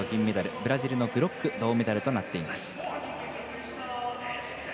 ブラジルのグロック銅メダルとなっています。